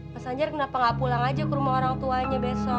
mas ganjar kenapa gak pulang aja ke rumah orang tuanya besok